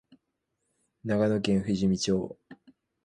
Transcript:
長野県富士見町